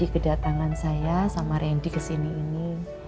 jadi kedatangan saya sama rendy ke sini ini